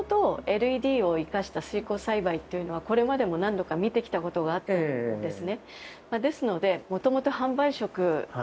ＬＥＤを生かした水耕栽培というのはこれまでも何度か見てきたことがあったんです。